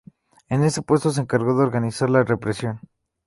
En este puesto se encargó de organizar la represión.